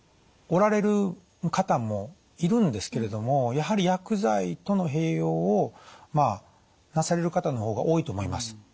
おられる方もいるんですけれどもやはり薬剤との併用をなされる方のほうが多いと思います。